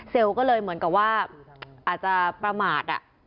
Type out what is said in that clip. ก็เลยเหมือนกับว่าอาจจะประมาท